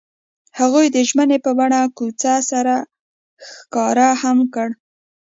هغوی د ژمنې په بڼه کوڅه سره ښکاره هم کړه.